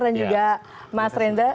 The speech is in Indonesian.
dan juga mas reza